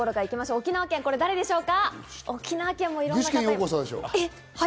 沖縄県は誰でしょうか？